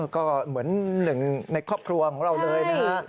ก็เหมือนหนึ่งในครอบครัวของเราเลยนะฮะ